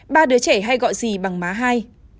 ba đứa trẻ hay gọi dì bằng má hai